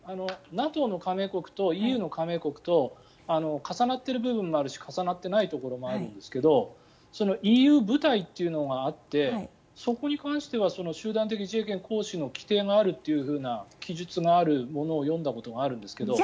ＮＡＴＯの加盟国とＥＵの加盟国と重なっている部分があるし重なっていない部分もあるんですがＥＵ部隊というのがあってそこに関しては集団的自衛権行使の規定の記述があるものを読んだことがあるんですが。